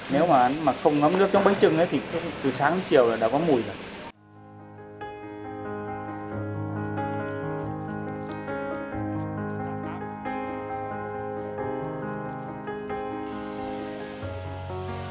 nếu mà không ngấm nước trong bánh trưng thì từ sáng đến chiều là đã có mùi rồi